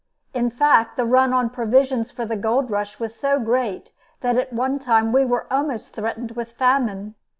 In fact, the run on provisions for the gold rush was so great that at one time we were almost threatened with famine.